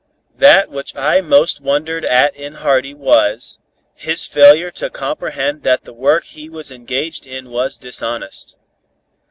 That which I most wondered at in Hardy was, his failure to comprehend that the work he was engaged in was dishonest.